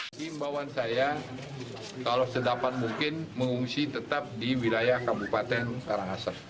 ini imbauan saya kalau sedapat mungkin mengungsi tetap di wilayah kabupaten karangasem